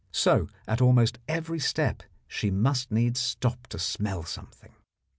So at almost every step she must needs stop to smell something.